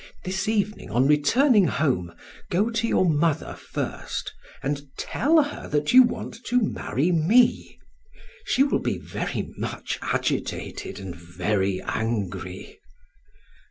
This evening on returning home, go to your mother first, and tell her that you want to marry me. She will be very much agitated and very angry."